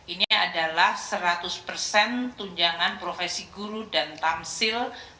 ini adalah seratus persen tunjangan profesi guru dan tamsil